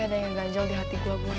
tapi ada yang gak jauh di hati gue boy